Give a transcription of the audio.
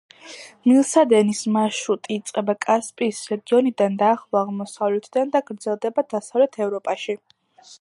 მილსადენის მარშრუტი იწყება კასპიის რეგიონიდან და ახლო აღმოსავლეთიდან და გრძელდება დასავლეთ ევროპაში.